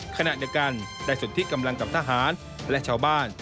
ขณะเดียวกันได้สนที่กำลังกับทหารและชาวบ้าน